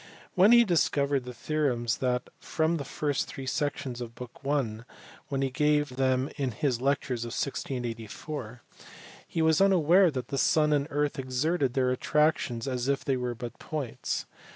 When he discovered the theorems that form the first three sections of book i., when he gave them in his lectures of 1684, he was unaware THE PRINCIPIA. 335 that the sun and earth exerted their attractions as if they were but points.